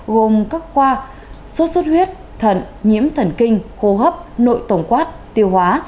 gồm các khoa xuất xuất huyết thận nhiễm thần kinh khô hấp nội tổng quát tiêu hóa